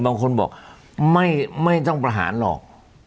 บางคนบอกไม่ต้องประหารหรอก